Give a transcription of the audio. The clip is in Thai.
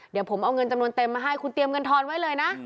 เดี๋ยวผมเอาเงินจำนวนเต็มมาให้คุณเตรียมเงินทอนไว้เลยนะ